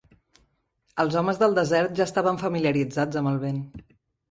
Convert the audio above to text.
Els homes del desert ja estaven familiaritzats amb el vent.